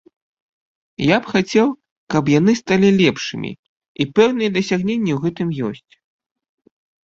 Я б хацеў, каб яны сталі лепшымі, і пэўныя дасягненні ў гэтым ёсць.